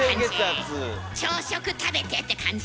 「朝食食べて」って感じ。